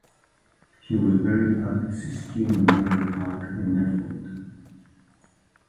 He was buried at Siskiyou Memorial Park in Medford.